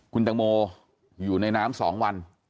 คุณตังโมอยู่ในน้ำ๒วัน